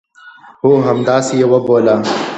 هو، همداسي یې وبوله